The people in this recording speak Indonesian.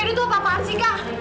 keduh tuh apa apaaan sih kah